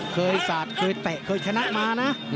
เคยแตะเคยฉันนะมานะ